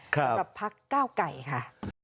ครับสำหรับพักเก้าไก่ค่ะครับ